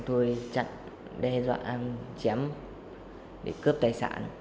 tôi bắt đầu đi xuống vĩnh phúc để cướp tài sản